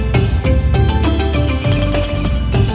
โชว์สี่ภาคจากอัลคาซ่าครับ